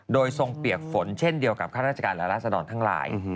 โดยทรงเปียกฝนเช่นเดียวกับข้าราชการและราศดรทั้งหลาย